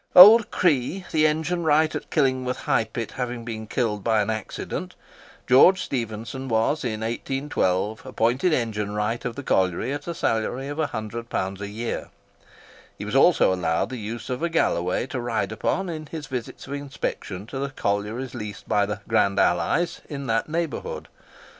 Old Cree, the engine wright at Killingworth High Pit, having been killed by an accident, George Stephenson was, in 1812, appointed engine wright of the colliery at the salary of £100 a year. He was also allowed the use of a galloway to ride upon in his visits of inspection to the collieries leased by the "Grand Allies" in that neighbourhood.